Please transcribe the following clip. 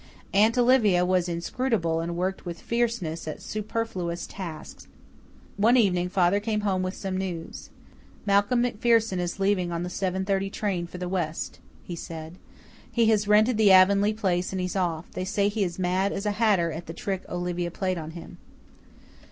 Aunt Olivia was inscrutable, and worked with fierceness at superfluous tasks. One evening father came home with some news. "Malcolm MacPherson is leaving on the 7:30 train for the west," he said. "He has rented the Avonlea place and he's off. They say he is mad as a hatter at the trick Olivia played on him."